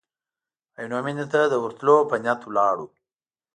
عینو مېنې ته د ورتلو په نیت ولاړو.